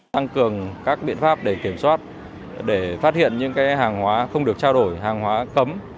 tăng cường các biện pháp để kiểm soát để phát hiện những hàng hóa không được trao đổi hàng hóa cấm